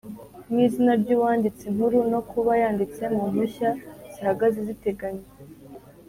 n’izina ry’uwanditse inkuru no kuba yanditse mu mpushya zihagaze ziteganye.